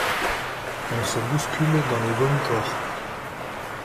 On se bouscule dans les vomitoires.